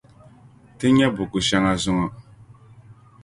Ti nyɛ buku shɛŋa zɔŋɔ.